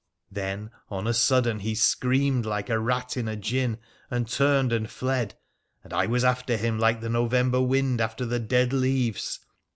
Then on a sudden he screamed like a rat in a gin, and turned and fled. And I was after him like the November wind after the dead leaves.